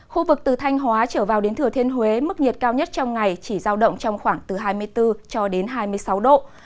khu vực từ thanh hóa trở vào đến thừa thiên huế mức nhiệt cao nhất trong ngày chỉ giao động trong khoảng từ hai mươi bốn cho đến hai mươi sáu độ